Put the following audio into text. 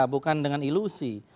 bukan dengan ilusi